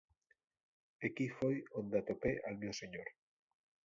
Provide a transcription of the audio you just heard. Equí foi onde atopé al mio señor.